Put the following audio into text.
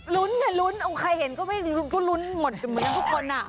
รุ้นใครเห็นก็รุ้นหมดเหมือนทุกคน